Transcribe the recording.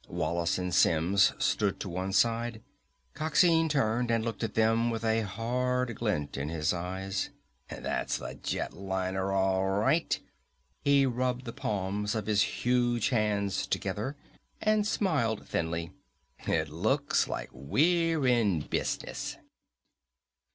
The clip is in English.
Wallace and Simms stood to one side. Coxine turned and looked at them with a hard glint in his eyes. "That's the jet liner, all right!" He rubbed the palms of his huge hands together and smiled thinly. "It looks like we're in business!"